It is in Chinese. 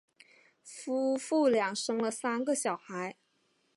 夫妇俩生了三个小孩。